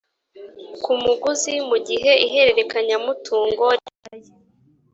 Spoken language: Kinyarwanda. ku muguzi mu gihe ihererekanyamutungo ribaye